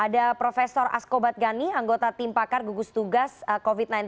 ada profesor askobat gani anggota tim pakar gugus tugas covid sembilan belas